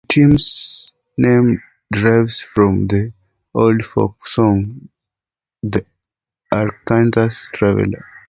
The team's name derives from the old folk song, "The Arkansas Traveler".